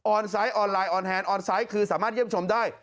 ไซต์ออนไลน์ออนแฮนดออนไซต์คือสามารถเยี่ยมชมได้